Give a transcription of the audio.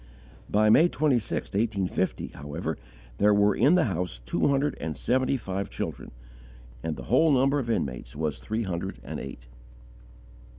By May 26, 1850, however, there were in the house two hundred and seventy five children, and the whole number of inmates was three hundred and eight.